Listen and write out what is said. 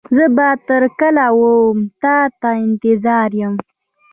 زه به تر کله و تا ته انتظار يم.